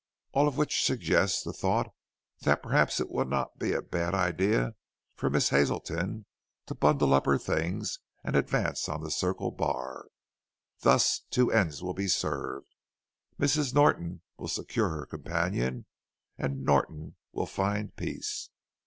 All of which suggests the thought that perhaps it would not be a bad idea for Miss Hazelton to bundle up her things and advance on the Circle Bar. Thus two ends will be served Mrs. Norton will secure her companion and Norton will find peace."